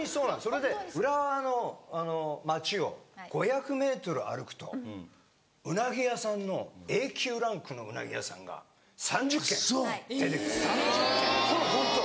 それで浦和の町を５００ｍ歩くとウナギ屋さんのＡ級ランクのウナギ屋さんが３０軒出てくるこれホント。